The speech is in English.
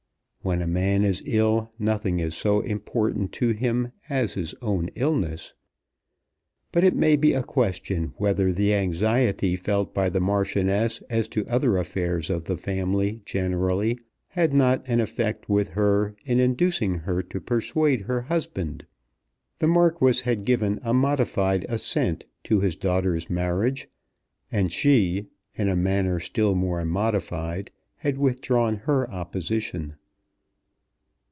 When a man is ill nothing is so important to him as his own illness. But it may be a question whether the anxiety felt by the Marchioness as to other affairs of the family generally had not an effect with her in inducing her to persuade her husband. The Marquis had given a modified assent to his daughter's marriage; and she, in a manner still more modified, had withdrawn her opposition.